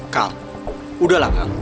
kal udah lah